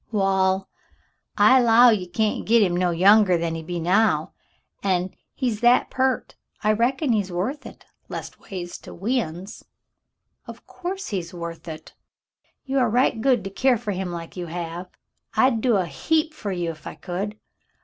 "Waal, I 'low ye can't git him no younger'n he be now, an' he's that peart, I reckon he's worth hit — leastways to we uns." "Of course he's worth it." "You are right good to keer fer him like you have. I'd do a heap fer you ef I could.